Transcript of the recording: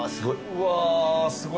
うわすごい。